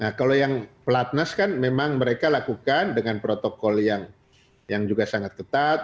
nah kalau yang pelatnas kan memang mereka lakukan dengan protokol yang juga sangat ketat